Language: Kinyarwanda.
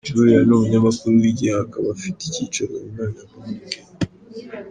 Julia ni umunyamakuru wigenga akaba afite icyicaro i Nairobi muri Kenya.